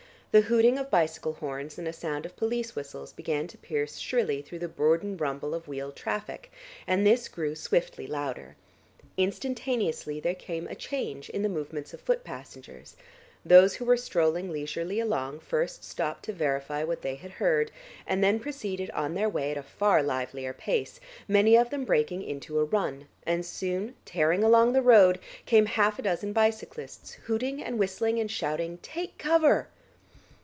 The hooting of bicycle horns and a sound of police whistles began to pierce shrilly through the bourdon rumble of wheeled traffic and this grew swiftly louder. Instantaneously there came a change in the movements of foot passengers; those who were strolling leisurely along first stopped to verify what they had heard, and then proceeded on their way at a far livelier pace, many of them breaking into a run, and soon, tearing along the road, came half a dozen bicyclists hooting and whistling and shouting "Take cover."